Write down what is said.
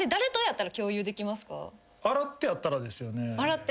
洗ってあったらですよね。